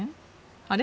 あれ？